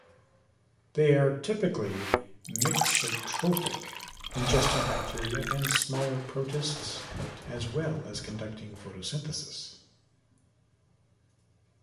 They are typically mixotrophic, ingesting bacteria and smaller protists as well as conducting photosynthesis.